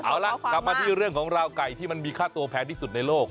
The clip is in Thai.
เอาล่ะกลับมาที่เรื่องของราวไก่ที่มันมีค่าตัวแพงที่สุดในโลก